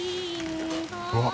うわっ！